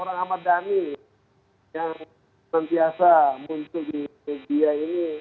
orang ahmad dhani yang sentiasa muncul di media ini